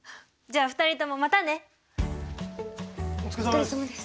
お疲れさまです！